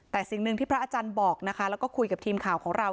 แต่สิ่งหนึ่งที่พระอาจารย์บอกนะคะแล้วก็คุยกับทีมข่าวของเรา